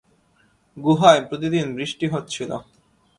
গুহায় প্রতিদিন বৃষ্টি হচ্ছিলো।